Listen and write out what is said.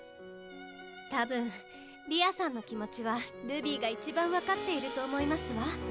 多分理亞さんの気持ちはルビィが一番分かっていると思いますわ。